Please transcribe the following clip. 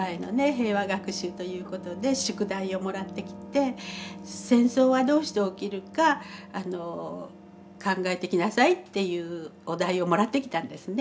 平和学習ということで宿題をもらってきて戦争はどうして起きるか考えてきなさいっていうお題をもらってきたんですね。